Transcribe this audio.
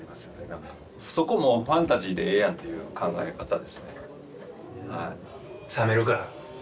何かそこもうファンタジーでええやんっていう考え方ですねはい